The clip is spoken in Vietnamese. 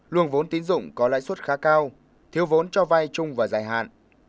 luồng vốn tín dụng có lãi suất khá cao thiếu vốn cho vay chung và dài hạn